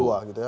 nah ini kan